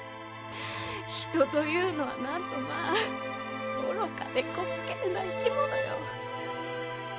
人というのはなんとまぁ愚かで滑稽な生き物よ。